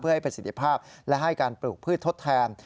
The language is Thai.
เพื่อให้ประสิทธิภาพและให้การปลูกพืชทดแทน